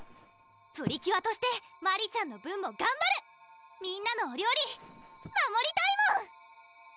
プリキュアとしてマリちゃんの分も頑張るみんなのお料理守りたいもん！